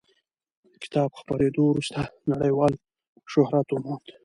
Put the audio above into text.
د کتاب خپرېدو وروسته نړیوال شهرت وموند.